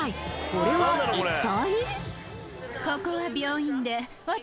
これは一体？